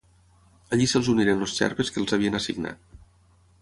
Allí se'ls uniren els xerpes que els havien assignat.